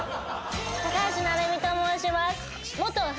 高橋成美と申します。